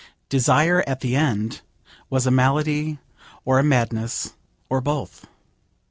Desire, at the end, was a malady, or a madness, or both.